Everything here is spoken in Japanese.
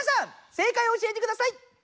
正解を教えてください！